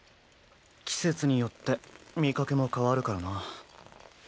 季節によって味覚も変わるからな。